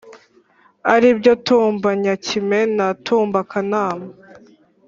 ari byo tumba nyakime na tumba kanama